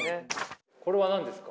これは何ですか？